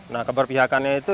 nah keberpihakannya itu